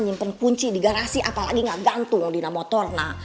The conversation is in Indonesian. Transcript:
nyimpen kunci di garasi apalagi gak gantung sama motornya